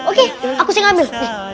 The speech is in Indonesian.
oke aku sih ngambil